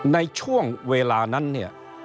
ในช่วงเวลานั้นเนี่ย